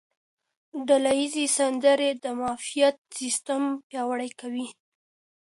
ډله ییزې سندرې د معافیت سیستم پیاوړی کوي.